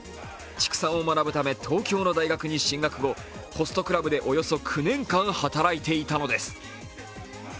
畜産を学ぶため東京の大学に進学後ホストクラブでおよそ９年間働いていたのです。